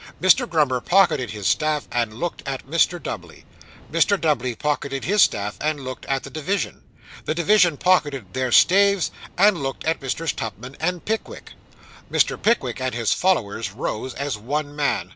Mr. Grummer pocketed his staff, and looked at Mr. Dubbley; Mr. Dubbley pocketed his staff and looked at the division; the division pocketed their staves and looked at Messrs. Tupman and Pickwick. Mr. Pickwick and his followers rose as one man.